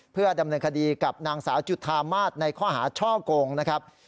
เพื่อดำเนินคดีกับนางสาวจุธามาศในข้อหาช่อกงนะครับ